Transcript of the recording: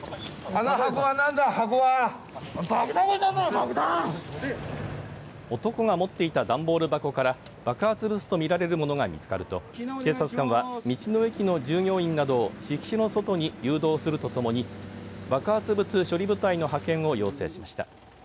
あと男が持ってい段ボール箱から爆発物だと見られものが見つかると警察官は道の駅の従業員などを敷地の外に誘導するとともに爆発物処理部隊の派遣を要請しました。